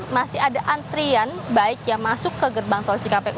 masih ada antrian baik yang masuk ke gerbang tol cikampek